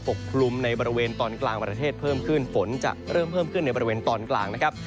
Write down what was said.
กลุ่มในบริเวณตอนกลางประเทศเพิ่มขึ้นฝนจะเริ่มเพิ่มขึ้นในบริเวณตอนกลางนะครับ